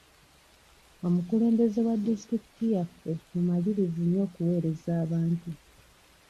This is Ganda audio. Omukulembeze wa disitulikiti yaffe mumalirivu nnyo okuweereza abantu.